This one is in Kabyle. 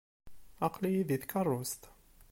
Aql-iyi deg tkeṛṛust.